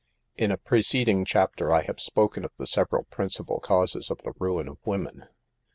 In a preceding chapter I have spoken of the several principal causes of 'the ruin of women.